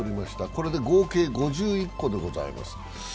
これで合計５１個でございます。